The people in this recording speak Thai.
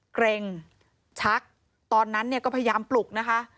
เกร็งชักตอนนั้นเนี่ยก็พยายามปลุกนะคะ